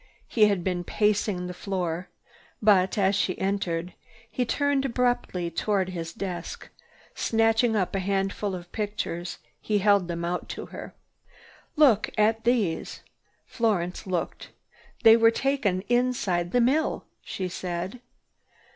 He had been pacing the floor but, as she entered, he turned abruptly toward his desk. Snatching up a handful of pictures, he held them out to her. "Look at these!" Florence looked. "They were taken inside the mill," she said.